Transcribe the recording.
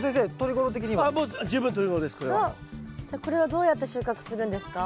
じゃあこれはどうやって収穫するんですか？